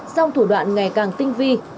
sau thủ đoạn ngày càng tinh vi